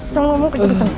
jangan ngomong kecil kecil